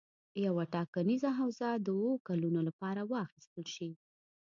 یوه ټاکنیزه حوزه د اووه کلونو لپاره واخیستل شي.